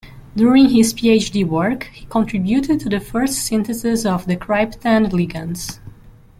During his PhD work, he contributed to the first syntheses of the cryptand ligands.